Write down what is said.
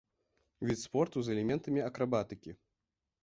Від спорту з элементамі акрабатыкі.